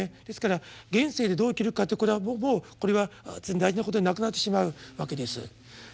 ですから現世でどう生きるかってこれはもうこれは大事なことでなくなってしまうわけです。